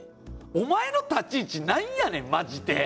お前の立ち位置、なんやねん、まじで。